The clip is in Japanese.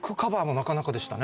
なかなかでしたね。